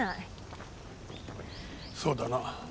そうだな。